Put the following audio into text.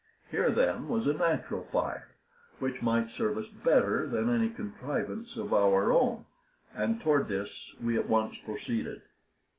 Here, then, was a natural fire, which might serve us better than any contrivance of our own, and toward this we at once proceeded.